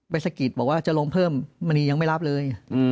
สะกิดบอกว่าจะลงเพิ่มมณียังไม่รับเลย